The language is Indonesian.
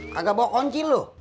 kagak bawa kunci lu